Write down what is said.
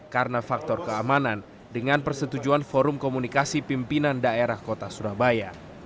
karena faktor keamanan dengan persetujuan forum komunikasi pimpinan daerah kota surabaya